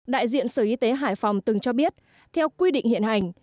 đại diện sở y tế hải phòng từng cho biết theo quy định hiện hành